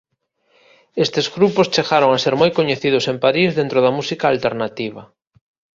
Estes grupos chegaron a ser moi coñecidos en París dentro da música alternativa.